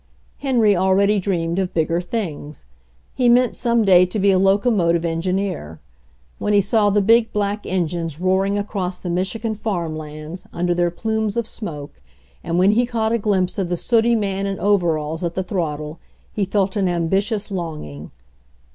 Henry already dreamed of bigger things. He meant, some day, to be a locomotive engineer. When he saw the big, black engines roaring across the Michigan farm lands, under their plumes of smoke, and when he caught a glimpse of the sooty man in overalls at the throttle, he felt an ambitious longing.